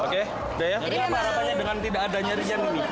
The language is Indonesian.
jadi apa harapannya dengan tidak adanya rian